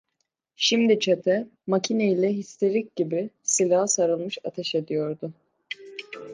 Şimdi çete, makine ile histerik gibi silaha sarılmış ateş ediyordu.